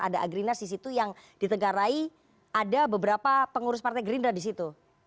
ada agrinas disitu yang ditegarai ada beberapa pengurus partai gerindra disitu